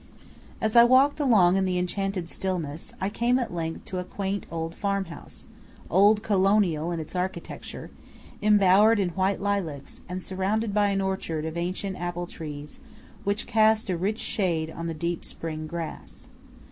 As I walked along in the enchanted stillness, I came at length to a quaint old farm house "old Colonial" in its architecture embowered in white lilacs, and surrounded by an orchard of ancient apple trees which cast a rich shade on the deep spring grass.